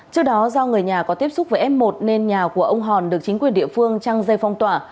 trước đó do người nhà có tiếp xúc với f một nên nhà của ông hòn được chính quyền địa phương trăng dây phong tỏa